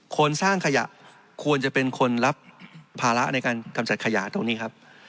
คนสร้างขยะควรจะเป็นคนรับภาระในการกำจัดขยะตรงนี้ครับ